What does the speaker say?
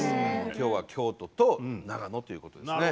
今日は京都と長野ということですね。